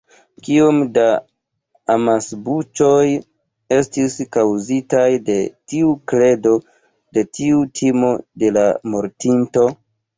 Kiom da amasbuĉoj estis kaŭzitaj de tiu kredo, de tiu timo de la mortinto.